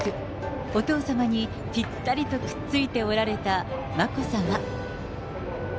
お父さまにぴったりとくっついておられた眞子さま。